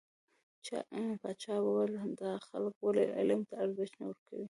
پاچا وويل: دا خلک ولې علم ته ارزښت نه ورکوي .